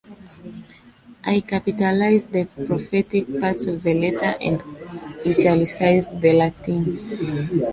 I capitalized the prophetic parts of the letter and italicized the Latin.